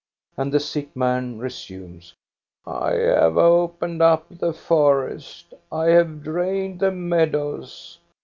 And the sick man resumes: "I have opened up the forest, I have drained the meadows.